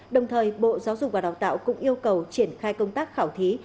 đồng thời bộ giáo dục và đào tạo cũng yêu cầu triển khai công tác khảo thí